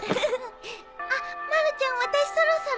あっまるちゃん私そろそろ。